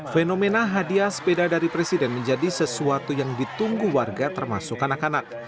fenomena hadiah sepeda dari presiden menjadi sesuatu yang ditunggu warga termasuk anak anak